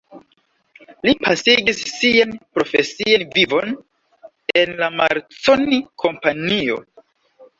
Li pasigis sian profesian vivon en la Marconi Kompanio.